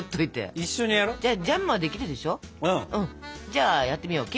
じゃあやってみよう。